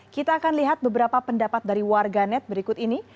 kita akan lihat beberapa pendapat dari warganet berikut ini